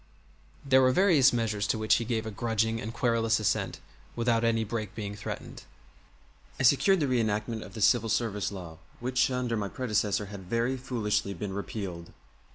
There were various measures to which he gave a grudging and querulous assent without any break being threatened. I secured the reenactment of the Civil Service Law, which under my predecessor had very foolishly been repealed.